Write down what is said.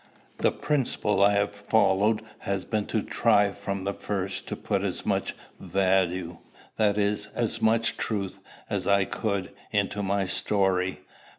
The principle I have followed has been to try from the first to put as much value, that is, as much truth, as I could, into my story.